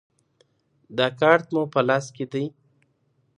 دا کارت مو په لاس کې دی.